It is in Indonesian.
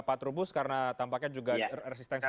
pak trubus karena tampaknya juga resistensi